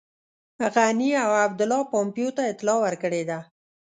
غني او عبدالله پومپیو ته اطلاع ورکړې ده.